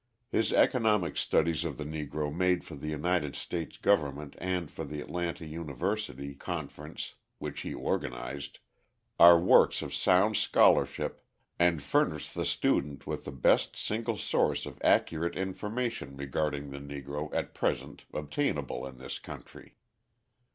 His economic studies of the Negro made for the United States Government and for the Atlanta University conference (which he organised) are works of sound scholarship and furnish the student with the best single source of accurate information regarding the Negro at present obtainable in this country.